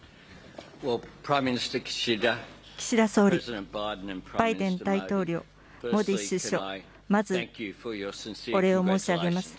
岸田総理、バイデン大統領、モディ首相、まずお礼を申し上げます。